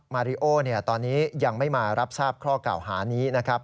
มาริโอตอนนี้ยังไม่มารับทราบข้อเก่าหานี้นะครับ